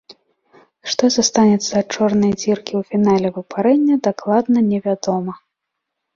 Што застанецца ад чорнай дзіркі ў фінале выпарэння, дакладна не вядома.